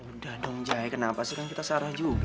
udah dong jay kenapa sih kan kita searah juga